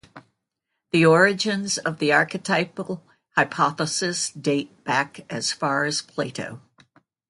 The origins of the archetypal hypothesis date back as far as Plato.